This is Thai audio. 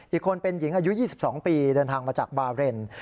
อีกคนเป็นหญิงอายุ๒๒ปีเดินทางมาจากบาเรน